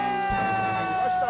きました。